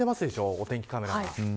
お天気カメラが。